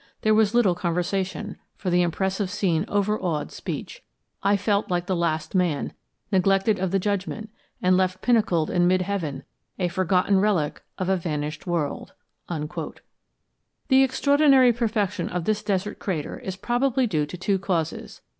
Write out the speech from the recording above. There was little conversation, for the impressive scene overawed speech. I felt like the Last Man, neglected of the judgment, and left pinnacled in mid heaven, a forgotten relic of a vanished world." The extraordinary perfection of this desert crater is probably due to two causes.